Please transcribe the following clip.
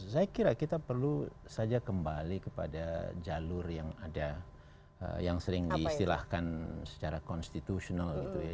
saya kira kita perlu saja kembali kepada jalur yang ada yang sering diistilahkan secara konstitusional gitu ya